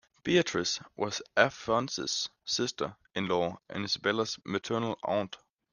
Beatrice was Afonso's sister-in-law and Isabella's maternal aunt.